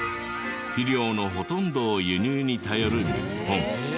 肥料のほとんどを輸入に頼る日本。